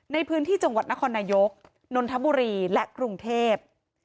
ในพื้นที่จังหวัดนครนายกนนทบุรีและกรุงเทพ